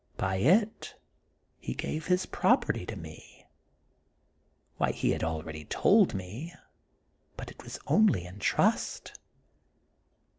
By it he gave his property to me. Why, he had already told me; but it was only in trust.